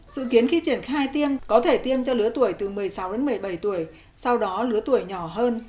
dự kiến khi triển khai tiêm có thể tiêm cho lứa tuổi từ một mươi sáu đến một mươi bảy tuổi sau đó lứa tuổi nhỏ hơn